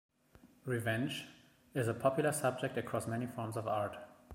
Revenge is a popular subject across many forms of art.